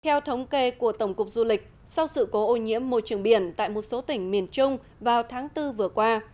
theo thống kê của tổng cục du lịch sau sự cố ô nhiễm môi trường biển tại một số tỉnh miền trung vào tháng bốn vừa qua